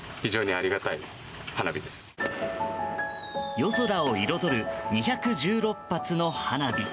夜空を彩る２１６発の花火。